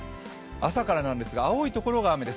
朝からなんですが、青いところが雨です。